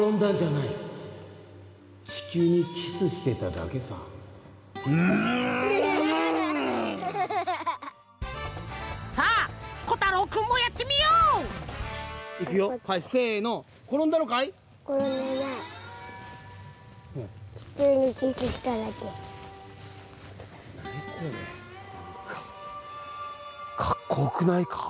なんかかっこよくないか？